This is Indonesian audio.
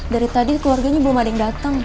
dari tadi keluarganya belum ada yang datang